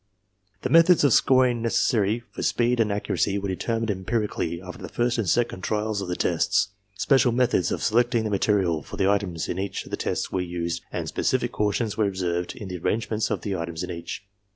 The methods of scoring necessary for speed and accuracy were determined empirically after the first and second trials of the tests. Special methods of selecting the material for the items in each of the tests were used and specific cautions were observed in the arrangement of the items in each.